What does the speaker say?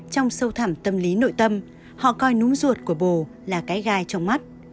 trong sâu thẳm tâm lý nội tâm họ coi núm ruột của bồ là cái gai trong mắt